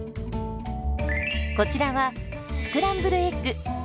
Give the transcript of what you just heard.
こちらはスクランブルエッグ。